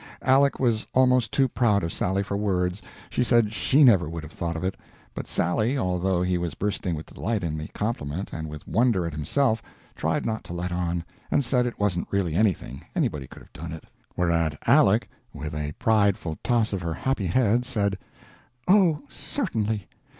Aleck was almost too proud of Sally for words she said _she _never would have thought of it. But Sally, although he was bursting with delight in the compliment and with wonder at himself, tried not to let on, and said it wasn't really anything, anybody could have done it. Whereat Aleck, with a prideful toss of her happy head, said: "Oh, certainly!